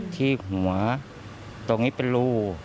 ที่หัวตรงนี้เป็นรู